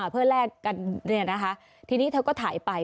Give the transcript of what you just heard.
เพื่อแลกกันทีนี้เธอก็ถ่ายไป